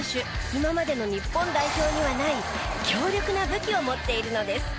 今までの日本代表にはない強力な武器を持っているのです。